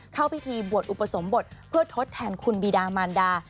เข้าพิธีบวชอุปสมบทเพื่อทดแทนคุณบีดามานดา